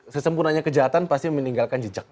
sesempurnanya kejahatan pasti meninggalkan jejak